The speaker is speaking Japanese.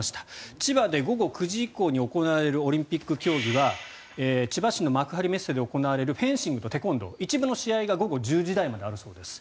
千葉で午後９時以降に行われるオリンピック競技は千葉市の幕張メッセで行われるフェンシングとテコンドー一部の試合が午後１０時台まであるそうです。